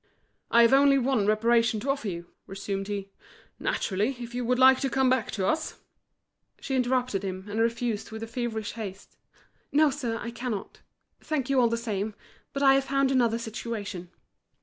"I have only one reparation to offer you," resumed he. "Naturally, if you would like to come back to us—" She interrupted him, and refused with a feverish haste. "No, sir, I cannot. Thank you all the same, but I have found another situation."